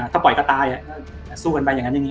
ถ้าปล่อยก็ตายสู้กันไปอย่างนั้น